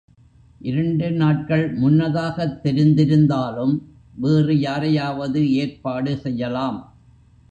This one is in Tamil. இரண்டு நாட்கள் முன்னதாகத் தெரிந்திருந்தாலும் வேறு யாரையாவது ஏற்பாடு செய்யலாம்.